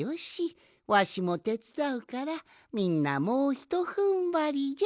わしもてつだうからみんなもうひとふんばりじゃ！